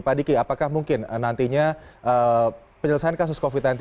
pak diki apakah mungkin nantinya penyelesaian kasus covid sembilan belas